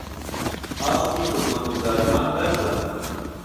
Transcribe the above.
ئاستی خزمەتگوزاریمان بەرزە